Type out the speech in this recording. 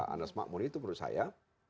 anas makmur itu menurut saya